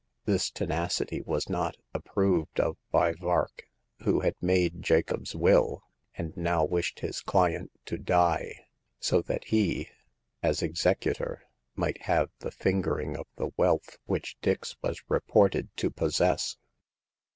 This tenacity was not ap proved of by Vark, who had made Jacob's will, and now wished his client to die, so that he, as executor, might have the fingering of the wealth which Dix was reported to possess.